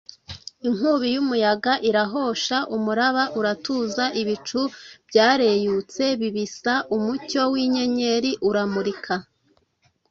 inkubi y’umuyaga irahosha umuraba uratuza ibicu byareyutse bibisa umucyo w’inyenyeri uramurika